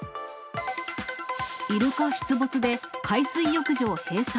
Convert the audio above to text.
イルカ出没で海水浴場閉鎖。